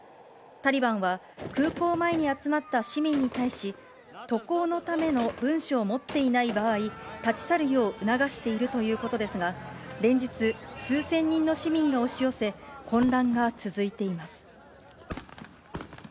タリバンは、空港前に集まった市民に対し、渡航のための文書を持っていない場合、立ち去るよう促しているということですが、連日、数千人の市民が押し寄せ、混乱が続いています。